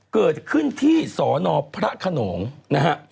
เกิดขึ้นที่สนพระขนงนะฮะ